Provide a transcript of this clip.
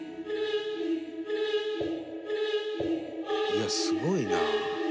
いやすごいなあ。